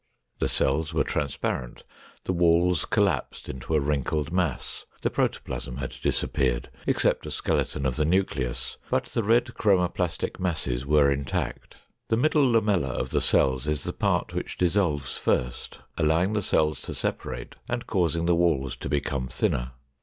The cells were transparent, the walls collapsed into a wrinkled mass, the protoplasm had disappeared, except a skeleton of the nucleus, but the red chromoplastic masses were intact. The middle lamella of the cells is the part which dissolves first, allowing the cells to separate and causing the walls to become thinner.